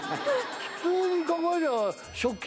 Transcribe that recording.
普通に考えりゃ。